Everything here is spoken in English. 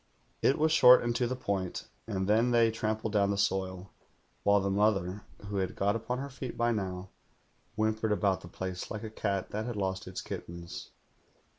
"It was short and to the point; and then they trampled down the soil, while the mother, who had got upon lier feet by now, whimpered about the place like a cat that had lost its kittens.